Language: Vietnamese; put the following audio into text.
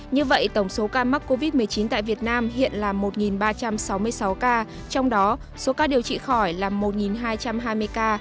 như vậy tổng số ca mắc covid một mươi chín tại việt nam hiện là một ba trăm sáu mươi sáu ca trong đó số ca điều trị khỏi là một hai trăm hai mươi ca